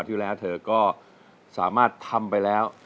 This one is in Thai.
ที่แล้วเธอก็สามารถทำไปแล้ว